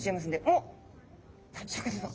おっシャーク香音さま